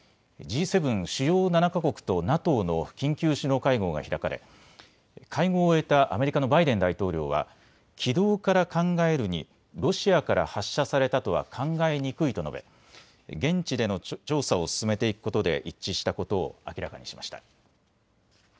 Ｇ７・主要７か国とＮＡＴＯの緊急首脳会合が開かれ、会合を終えたアメリカのバイデン大統領は軌道から考えるにロシアから発射されたとは考えにくいと述べ現地での調査を進めていくことで一致したことを明らかにしました。